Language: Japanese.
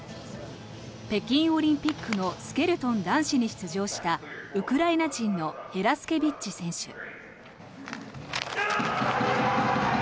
北京オリンピックのスケルトン男子に出場したウクライナ人のヘラスケビッチ選手。